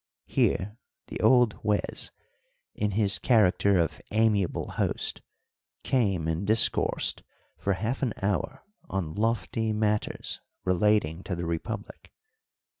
Here the old Juez, in his character of amiable host, came and discoursed for half an hour on lofty matters relating to the republic.